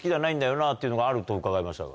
というのがあると伺いましたが。